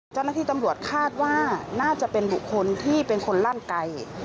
เจ้าหน้าที่ตำรวจคาดว่าน่าจะเป็นบุคคลที่เป็นคนลั่นไกล